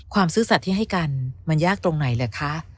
ซื่อสัตว์ที่ให้กันมันยากตรงไหนเหรอคะ